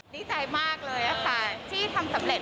ดีใจมากเลยค่ะที่ทำสำเร็จ